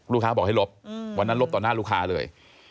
ลูกค้าบอกให้ลบวันนั้นลบต่อหน้าลูกค้าเลย